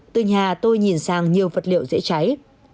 từ nhà tôi nhìn sang nhiều vật liệu dễ cháy